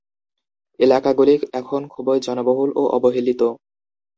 এলাকাগুলি এখন খুবই জনবহুল ও অবহেলিত।